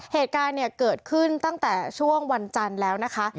เหตุการณ์เนี่ยเกิดขึ้นตั้งแต่ช่วงวันจันทร์แล้วนะคะ